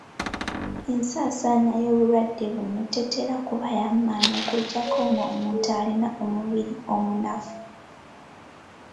Ensaasaana y'obulwadde buno tetera kuba y'amaanyi okuggyako ng'omuntu alina omubiri omunafu